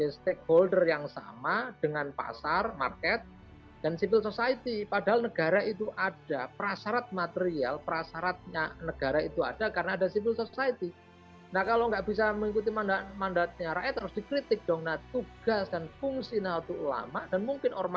semoga anda sehat dalam rangka satu abad umum